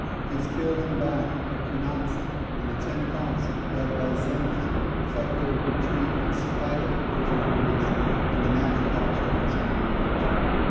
He in killed in battle at Cunaxa; and the ten thousand, led by Xenophon, effect their retreat in spite of the Persian armies and the natural obstacles of their march.